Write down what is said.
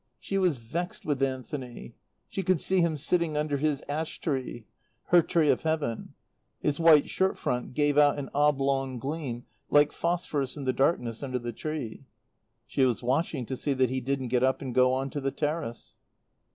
She was vexed with Anthony. She could see him sitting under his ash tree, her tree of heaven; his white shirt front gave out an oblong gleam like phosphorous in the darkness under the tree. She was watching to see that he didn't get up and go on to the terrace.